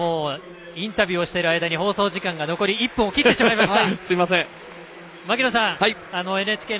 インタビューをしている間に放送時間が残り１分を切ってしまいました。